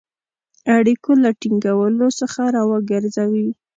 اړیکو له ټینګولو څخه را وګرځوی.